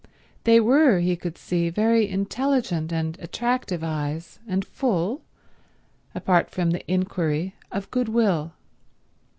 They were, he could see, very intelligent and attractive eyes, and full, apart from the inquiry of goodwill.